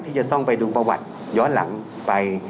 ที่จะต้องไปดูประวัติย้อนหลังไป